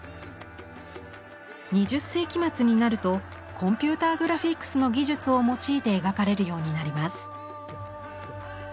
２０世紀末になるとコンピューターグラフィックスの技術を用いて描かれるようになります。